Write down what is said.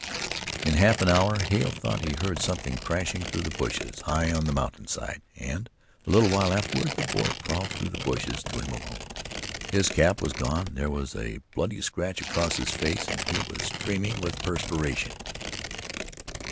In half an hour Hale thought he heard something crashing through the bushes high on the mountain side, and, a little while afterward, the boy crawled through the bushes to him alone. His cap was gone, there was a bloody scratch across his face and he was streaming with perspiration.